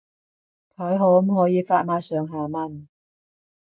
佢可唔可以發埋上下文